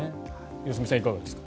良純さん、いかがですか？